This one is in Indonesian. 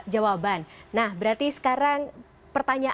jadi ya terus raksanya